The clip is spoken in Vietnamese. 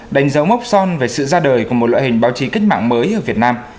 đánh dấu mốc son về sự ra đời của một loại hình báo chí cách mạng mới ở việt nam